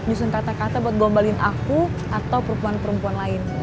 nyusun kata kata buat gombalin aku atau perempuan perempuan lain